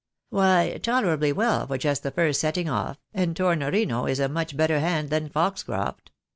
" Why, tolerably well for just the first setting off, and Tornorino is a much better hand than Foxcroft.